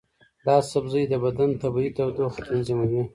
دا سبزی د بدن طبیعي تودوخه تنظیموي.